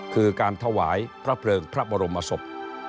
คือการถวายพระเพลิงพระบรมศพ